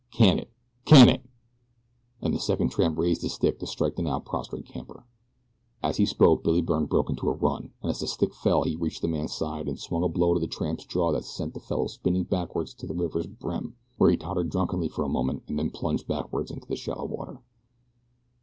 Can it! Can it!" as the second tramp raised his stick to strike the now prostrate camper. As he spoke Billy Byrne broke into a run, and as the stick fell he reached the man's side and swung a blow to the tramp's jaw that sent the fellow spinning backward to the river's brim, where he tottered drunkenly for a moment and then plunged backward into the shallow water.